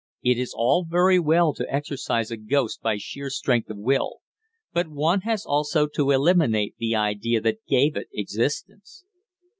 It is all very well to exorcise a ghost by sheer strength of will, but one has also to eliminate the idea that gave it existence.